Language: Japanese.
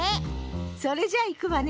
それじゃいくわね。